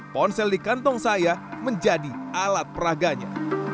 ponsel di kantong saya menjadi alat peraganya